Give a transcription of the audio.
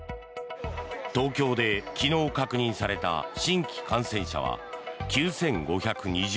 東京で昨日確認された新規感染者は９５２０人。